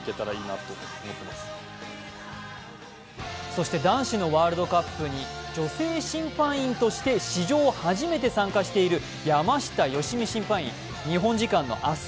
そして男子のワールドカップに女性審判員として史上初めて参加している山下良美審判員、日本時間の明日